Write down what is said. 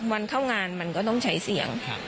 วันเข้างานมันก็ต้องใช้เสี่ยง